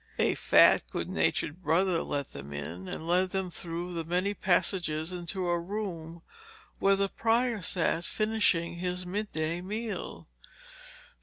A fat, good natured brother let them in, and led them through the many passages into a room where the prior sat finishing his midday meal.